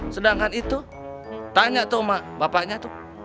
sedangkan itu tanya tuh sama bapaknya tuh